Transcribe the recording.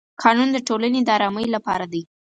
قانون د ټولنې د ارامۍ لپاره دی.